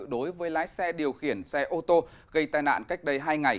đối với lái xe điều khiển xe ô tô gây tai nạn cách đây hai ngày